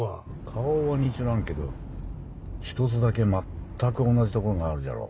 顔は似ちょらんけど１つだけ全く同じところがあるじゃろ。